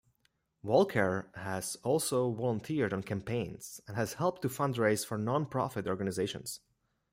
Walker has also volunteered on campaigns and has helped to fundraise for non-profit organizations.